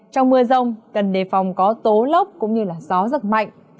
trong mưa rông cần đề phòng có tố lốc cũng như gió giật mạnh